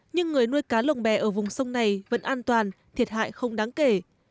nhưng người nuôi cá lồng bè ở vùng sông này vẫn an toàn thiệt hại không đáng kể